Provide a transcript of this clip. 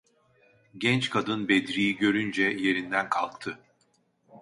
Genç kadın Bedri’yi görünce yerinden kalktı: